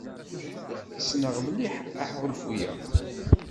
Ssneɣ mliḥ aḥulfu-a.